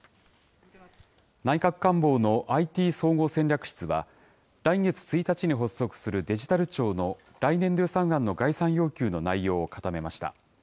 内閣官房のＩＴ総合戦略室は、来月１日に発足するデジタル庁の来年度予算案の概算要求の内容を固めました。